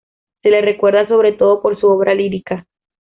Se le recuerda sobre todo por su obra lírica.